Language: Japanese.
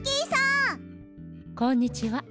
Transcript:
こんにちは。